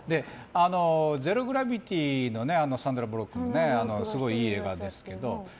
「ゼロ・グラビティ」もサンドラ・ブロックのすごいいい映画ですけど。